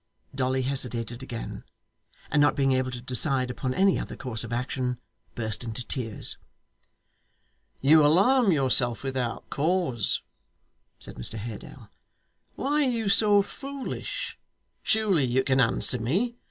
Dolly hesitated again, and not being able to decide upon any other course of action, burst into tears. 'You alarm yourself without cause,' said Mr Haredale. 'Why are you so foolish? Surely you can answer me.